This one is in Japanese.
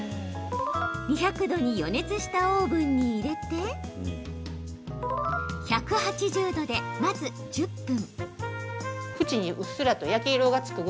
２００度に予熱したオーブンに入れて１８０度でまず１０分。